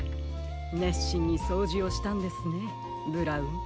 ねっしんにそうじをしたんですねブラウン。